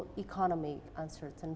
apakah kita bisa memperbaiki